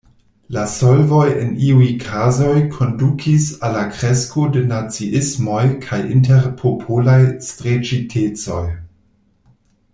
La solvoj en iuj kazoj kondukis al la kresko de naciismoj kaj interpopolaj streĉitecoj.